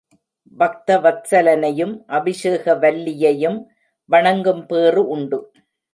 பக்த வத்ஸலனையும் அபிஷேகவல்லியையும் வணங்கும் பேறு உண்டு.